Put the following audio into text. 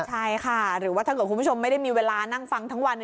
ใช่ค่ะหรือว่าถ้าเกิดคุณผู้ชมไม่ได้มีเวลานั่งฟังทั้งวัน